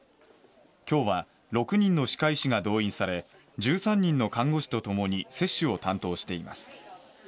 きょうは６人の歯科医師が動員され１３人の看護師とともに接種を担当しています。